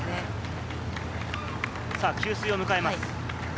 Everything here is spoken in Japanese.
給水を迎えます。